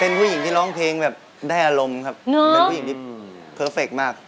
เป็นผู้หญิงที่ร้องเพลงได้อารมณ์